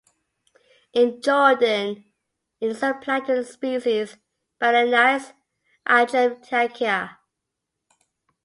In Jordan, it is applied to the species "Balanites aegyptiaca".